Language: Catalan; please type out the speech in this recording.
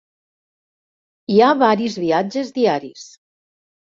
Hi ha varis viatges diaris.